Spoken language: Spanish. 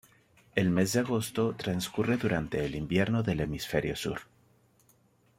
El mes de agosto transcurre durante el invierno del hemisferio sur.